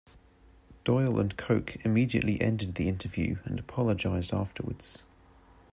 Doyle and Koch immediately ended the interview and apologised afterwards.